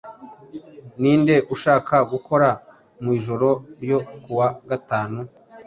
Ninde ushaka gukora mwijoro ryo kuwa gatanu?